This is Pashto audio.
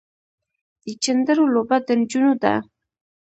د چيندرو لوبه د نجونو ده.